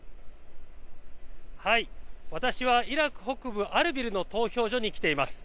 私は、イラク北部アルビルの投票所に来ています。